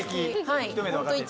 はい。